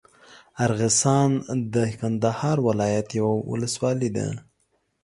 ارغسان د کندهار ولايت یوه اولسوالي ده.